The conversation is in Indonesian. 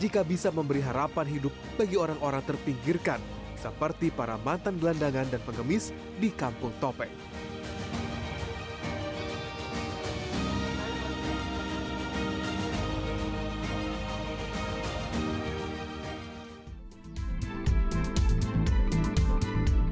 kampung topeng jawa timur